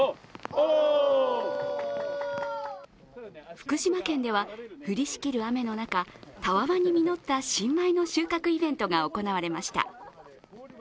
福島県では降りしきる雨の中、たわわに実った新米の収穫イベントが行われました。